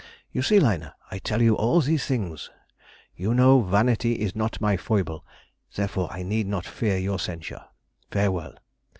You see, Lina, I tell you all these things. You know vanity is not my foible, therefore I need not fear your censure. Farewell.